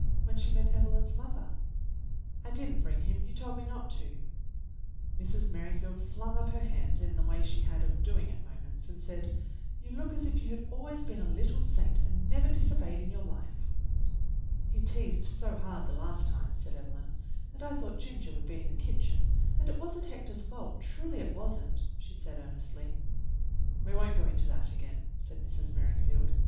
f^" when she meant Evelyn's mother. "I did n't bring him. You told me not to." Mrs. Merrifield flung up her hands in a way she had of doing at moments, and said, "You look as if you had always been a little saint and never disobeyed in your life." "He teased so hard the last time," said Evelyn, "and I thought Ginger would be in the kitchen. And it was n't Hector's fault, truly it was n't," she said earnestly. "We won't go into that again," said Mrs. Merri NANCY MERRIFIELD AND THE STRANGER 23 field.